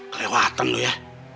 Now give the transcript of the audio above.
kelewatan lu ya